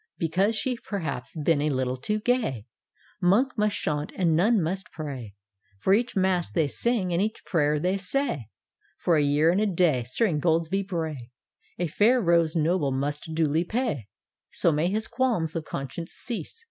Because she's perhaps been a little too gay. —— Monk must chaunt and Nun must pray; For each mass they sing, and each pray'r they say, For a year and a day. Sir Ingoldsby Bray A fair rose noble must duly pay I So may his qualms of conscience cease.